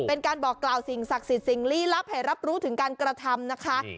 เป็นการบอกกล่าวสิ่งศักดิ์สิทธิ์สิ่งลี้ลับให้รับรู้ถึงการกระทำนะคะ